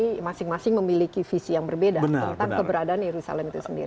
tapi masing masing memiliki visi yang berbeda tentang keberadaan yerusalem itu sendiri